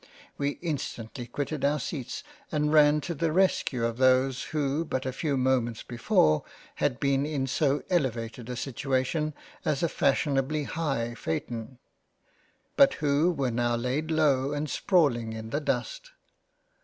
We instantly quitted our seats and ran^to the rescue of those who but a few moments before had been in so elevated a situation as a fashionably high Phaeton, but who were now laid low and sprawling in the Dust.